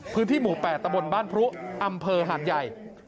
พื้นที่หมู่๘ตะบนบ้านพรุอำเภอหาดใหญ่